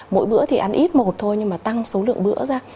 mỗi bữa thì ăn ít một thôi nhưng mà tăng số lượng bữa ra